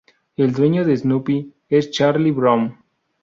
El dueño de Snoopy es Charlie Brown.